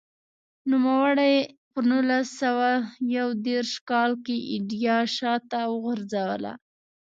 نوموړي په نولس سوه یو دېرش کال کې ایډیا شاته وغورځوله.